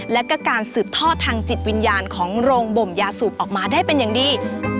และก็การสืบทอดทางจิตวิญญาณของโรงบ่มยาสูบออกมาได้เป็นอย่างดี